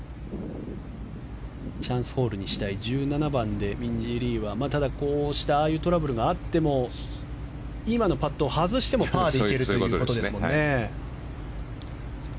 チャンスホールにしたい１７番でミンジー・リーはああいうトラブルがあっても今のパットを外してもパーでいけるということですもんね。